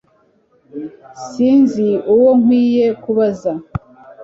Sinzi uwo nkwiye kubaza